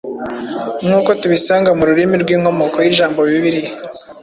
nkuko tubisanga mu rurimi rw‟inkomoko y‟ijambo Biliya